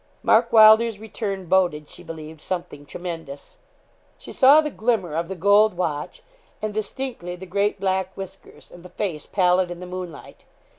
Mark Wylder's return boded, she believed, something tremendous. She saw the glimmer of the gold watch, and, distinctly, the great black whiskers, and the face pallid in the moonlight.